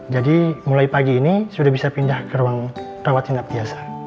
jadi mulai pagi ini sudah bisa pindah ke ruang rawat tindak biasa